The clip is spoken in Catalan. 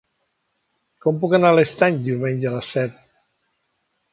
Com puc anar a l'Estany diumenge a les set?